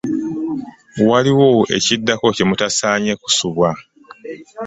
Waliwo ekiddako kye mutasaanye kusubwa.